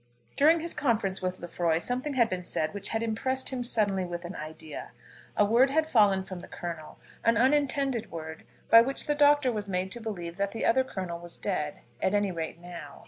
During his conference with Lefroy something had been said which had impressed him suddenly with an idea. A word had fallen from the Colonel, an unintended word, by which the Doctor was made to believe that the other Colonel was dead, at any rate now.